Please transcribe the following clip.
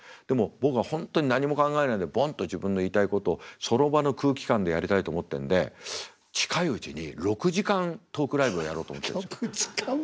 でも僕が本当に何も考えないでボンと自分の言いたいことをその場の空気感でやりたいと思ってんで近いうちに６時間トークライブをやろうと思ってるんですよ。